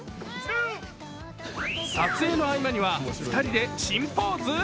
撮影の合間には２人で新ポーズ？